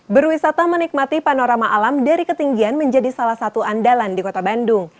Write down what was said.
berwisata menikmati panorama alam dari ketinggian menjadi salah satu andalan di kota bandung